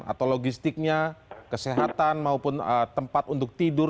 atau logistiknya kesehatan maupun tempat untuk tidur